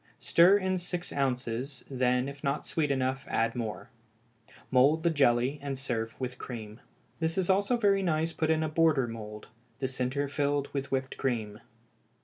Stir in six ounces, then if not sweet enough add more; mould the jelly, and serve with cream. This is also very nice put in a border mould, the centre filled with whipped cream.